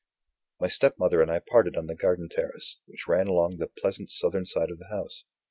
My stepmother and I parted on the garden terrace, which ran along the pleasant southern side of the house.